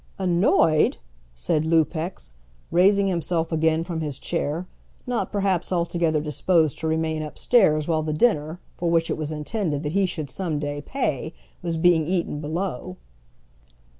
"Annoyed!" said Lupex, raising himself again from his chair, not perhaps altogether disposed to remain upstairs while the dinner, for which it was intended that he should some day pay, was being eaten below.